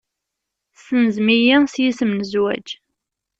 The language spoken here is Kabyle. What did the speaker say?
Tessenzem-iyi s yisem n zzwaǧ.